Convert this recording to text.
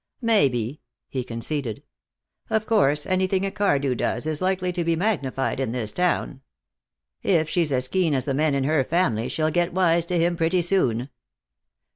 "Maybe," he conceded. "Of course, anything a Cardew does is likely to be magnified in this town. If she's as keen as the men in her family, she'll get wise to him pretty soon."